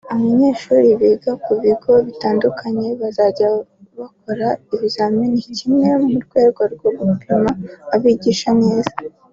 Abanyeshuri biga ku bigo bitandukanye bazajya bakora ikizamini kimwe mu rwego rwo gupima abigisha neza